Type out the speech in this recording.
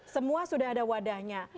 semua sudah ada wadahnya